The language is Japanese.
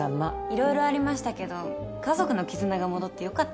いろいろありましたけど家族の絆が戻ってよかったっす。